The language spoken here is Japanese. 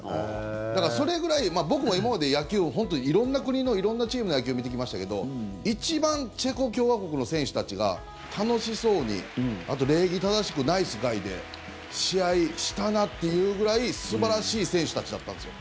だから、それぐらい僕も今まで野球を本当に色んな国の色んなチームの野球を見てきましたけど一番、チェコ共和国の選手たちが楽しそうにあと礼儀正しく、ナイスガイで試合したなっていうぐらい素晴らしい選手たちだったんですよ。